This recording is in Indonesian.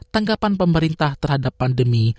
tanggapan pemerintah terhadap pandemi